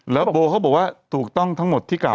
แล้วโบเขาบอกว่าถูกต้องทั้งหมดที่กล่าว